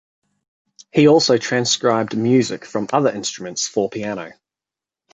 He also transcribed music from other instruments for piano.